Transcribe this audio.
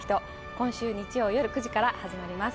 今週日曜よる９時から始まります